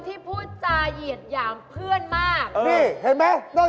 มีผัวหลายคนไม่เหมือนแฟนเอง